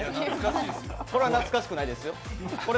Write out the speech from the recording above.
これは懐かしくないですよ。